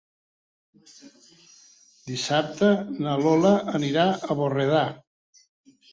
Dissabte na Lola anirà a Borredà.